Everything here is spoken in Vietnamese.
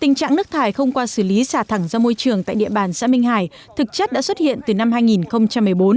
tình trạng nước thải không qua xử lý xả thẳng ra môi trường tại địa bàn xã minh hải thực chất đã xuất hiện từ năm hai nghìn một mươi bốn